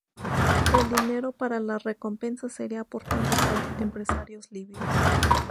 El dinero para la recompensa sería aportado por empresarios libios.